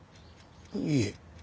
いえ。